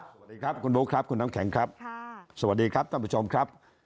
สวัสดีครับคุณบุ๊คครับคุณน้ำแข็งครับค่ะสวัสดีครับท่านผู้ชมครับ